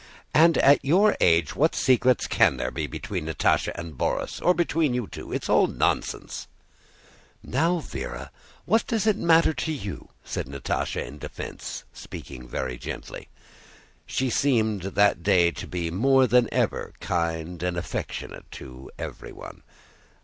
"And at your age what secrets can there be between Natásha and Borís, or between you two? It's all nonsense!" "Now, Véra, what does it matter to you?" said Natásha in defense, speaking very gently. She seemed that day to be more than ever kind and affectionate to everyone.